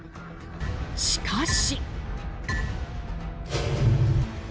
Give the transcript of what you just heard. しかし。